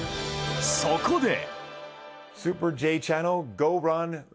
そこで。